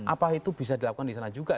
apa itu bisa dilakukan di sana juga